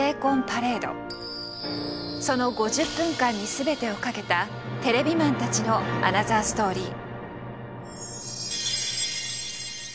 その５０分間に全てを懸けたテレビマンたちのアナザーストーリー。